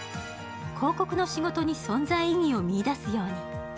広告の仕事に存在意義を見出すように。